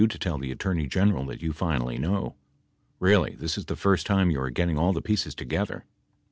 One way to do it is for yon to tell the Attorney General that you finally know. Really, this is the first time you are getting all the pieces together, [pp.